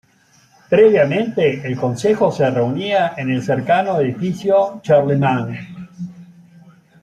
Previamente el Consejo se reunía en el cercano Edificio "Charlemagne".